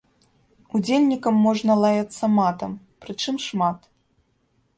Удзельнікам можна лаяцца матам, прычым шмат.